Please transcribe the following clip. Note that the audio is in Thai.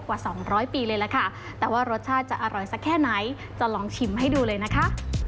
กว่า๒๐๐ปีเลยล่ะค่ะแต่ว่ารสชาติจะอร่อยสักแค่ไหนจะลองชิมให้ดูเลยนะคะ